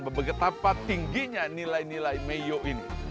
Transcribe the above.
beberapa tingginya nilai nilai meiyo ini